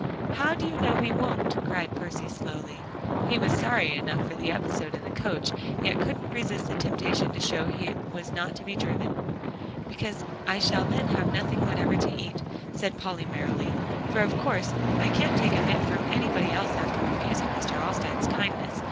"How do you know we won't?" cried Percy slowly. He was sorry enough for the episode in the coach, yet couldn't resist the temptation to show he was not to be driven. "Because I shall then have nothing whatever to eat," said Polly merrily, "for of course I can't take a bit from anybody else after refusing Mr. Alstyne's kindness.